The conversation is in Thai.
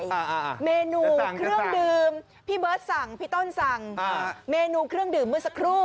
อ่าอ่าเมนูเครื่องดื่มพี่เบิร์ตสั่งพี่ต้นสั่งอ่าเมนูเครื่องดื่มเมื่อสักครู่